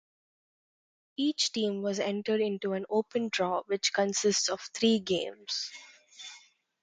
Each team was entered into an open draw which consists of three games.